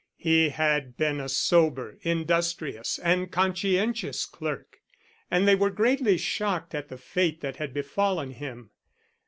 He had been a sober, industrious, and conscientious clerk, and they were greatly shocked at the fate that had befallen him.